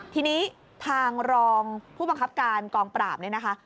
ทีนี้ทางรองผู้บังคับการกองปราบเนี่ยนะคะ